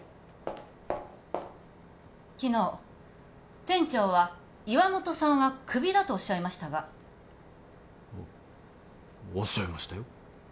昨日店長は岩本さんはクビだとおっしゃいましたがおおっしゃいましたよ